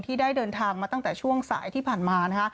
ได้เดินทางมาตั้งแต่ช่วงสายที่ผ่านมานะคะ